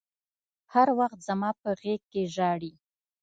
هر وخت زما په غېږ کښې ژاړي.